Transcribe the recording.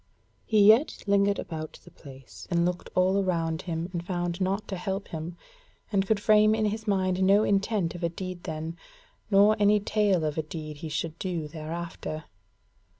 He yet lingered about the place, and looked all around him and found naught to help him, and could frame in his mind no intent of a deed then, nor any tale of a deed he should do thereafter.